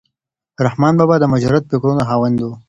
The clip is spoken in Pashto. رحمان بابا د مجردو فکرونو خاوند و.